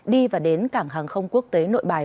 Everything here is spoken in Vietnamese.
đi và đến cảng hàng không quốc tế nội bài